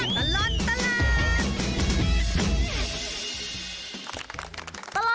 ชั่วตลอดตลาด